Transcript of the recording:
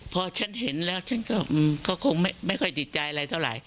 พอฉันเห็นแล้วฉันก็คงไม่ค่อยติดใจอะไรเท่าไหร่